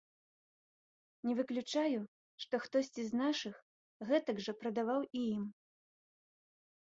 Не выключаю, што хтосьці з нашых гэтак жа прадаваў і ім.